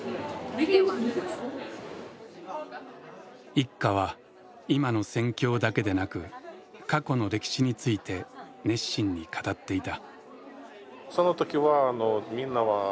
一家は今の戦況だけでなく過去の歴史について熱心に語っていた。